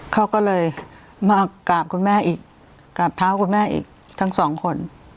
เขาก็เลยมากราบคุณแม่อีกกราบเท้าคุณแม่อีกทั้งสองคน